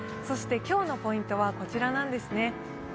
そして今日のポイントはこちらなんですね。